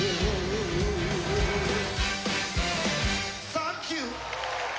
サンキュー。